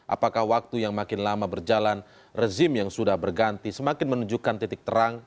apakah waktu yang makin lama berjalan rezim yang sudah berganti semakin menunjukkan titik terang